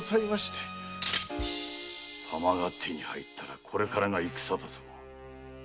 弾が手に入ったらこれからが戦だぞ。